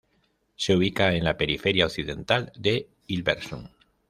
Se ubica en la periferia occidental de Hilversum.